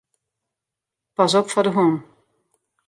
Pas op foar de hûn.